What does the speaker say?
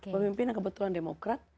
pemimpin yang kebetulan demokrat